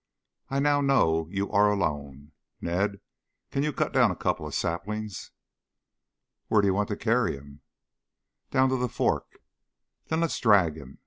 I now know you are alone. Ned, can you cut down a couple of saplings?" "Where do you want to carry him?" "Down to the fork." "Then let's drag him.